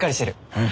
うん。